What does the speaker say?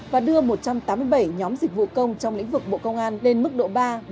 và đưa một trăm tám mươi bảy nhóm dịch vụ công trong lĩnh vực bộ công an lên mức độ ba một